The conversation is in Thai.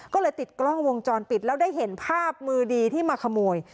ก็เลยติดกล้องวงจรปิดแล้วได้เห็นภาพมือดีที่มาขโมย